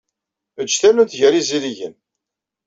Eǧǧ tallunt gar yizirigen.